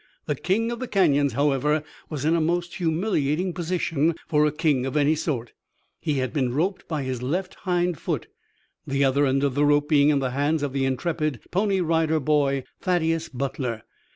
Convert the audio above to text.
The king of the canyons, however, was in a most humiliating position for a king of any sort. He had been roped by his left hind foot, the other end of the rope being in the hands of the intrepid Pony Rider boy, Thaddeus Butler.